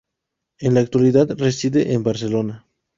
En la actualidad reside en Barcelona.